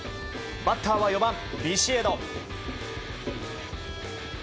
バッターは４番、ビシエド。